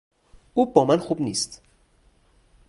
او با من خوب نیست.